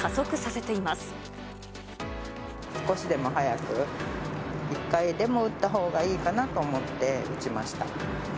少しでも早く、１回でも打ったほうがいいかなと思って打ちました。